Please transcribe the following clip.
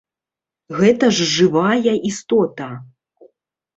Гэта ж жывая істота.